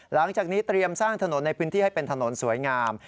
หลังจากนี้เตรียมสร้างถนนในพื้นที่ให้เป็นถนนสวยงาม